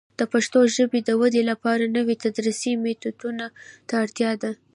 د پښتو ژبې د ودې لپاره نوي تدریسي میتودونه ته اړتیا ده.